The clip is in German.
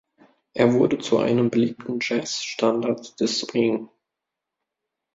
Er wurde zu einem beliebten Jazz-Standard des Swing.